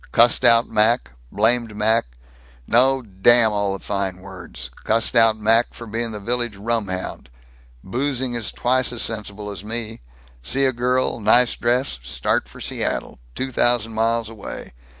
Cussed out Mac blamed Mac no, damn all the fine words cussed out Mac for being the village rumhound. Boozing is twice as sensible as me. See a girl, nice dress start for Seattle! Two thousand miles away!